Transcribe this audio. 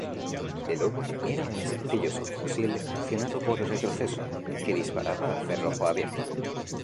El Owen era un sencillo subfusil accionado por retroceso, que disparaba a cerrojo abierto.